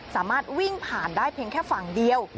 สามารถวิ่งผ่านได้เพียงแค่ฝั่งเดียว